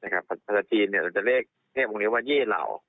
นะครับภาษาจีนเราจะเรียกเทพวงเรียกว่าเยเหล่า